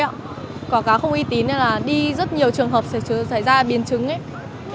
quảng cáo không uy tín là đi rất nhiều trường hợp sẽ ra biến chứng ấy